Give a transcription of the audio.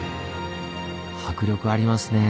迫力ありますねぇ。